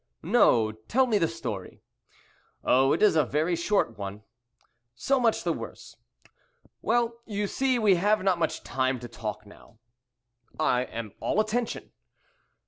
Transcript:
"No, tell me the story." "Oh, it is a very short one." "So much the worse." "Well, you see, we have not much time to talk now." "I am all attention."